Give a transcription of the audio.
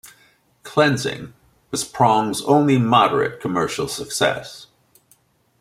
"Cleansing" was Prong's only moderate commercial success.